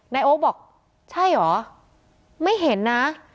โอ๊คบอกใช่เหรอไม่เห็นนะ